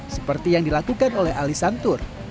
seperti yang dilakukan oleh ali santur